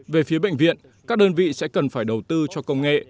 về phía bệnh viện các đơn vị sẽ cần phải đầu tư cho công nghệ